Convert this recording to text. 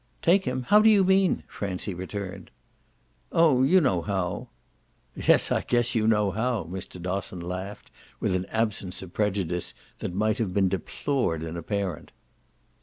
"Take him how do you mean?" Francie returned. "Oh you know how." "Yes, I guess you know how!" Mr. Dosson laughed with an absence of prejudice that might have been deplored in a parent.